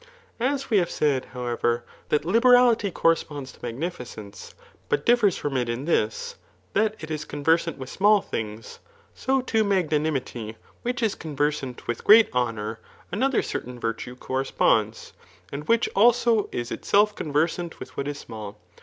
As we have said, however, that liberality corresponds to magnificence, but differs from it in this, that it is conversant with small things; so to magnanimity which is conversant with great honour, another certain virtue corresponds, and which also IS Itself conversant with what is small.